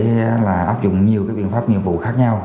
hay là áp dụng nhiều cái biện pháp nhiệm vụ khác nhau